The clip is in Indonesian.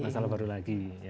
masalah baru lagi